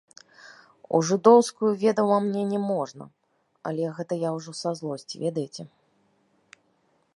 У жыдоўскую, ведама, мне не можна, але гэта я ўжо са злосці, ведаеце.